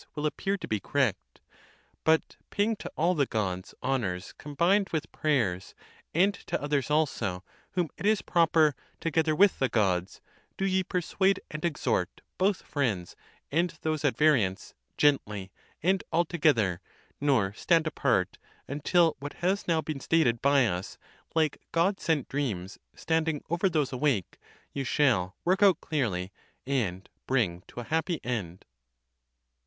will appear to be correct. But pay ing to all the gods honours combined with prayers, and to others also, whom it 15 proper, together with the gods, do ye persuade and exhort both friends and those at variance, gently and altogether,* nor stand apart, until what has now been stated by us, like god sent dreams standing over those awake, you shall work out clearly, and bring to a happy end."